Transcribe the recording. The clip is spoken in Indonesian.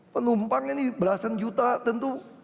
penumpang ini belasan juta tentu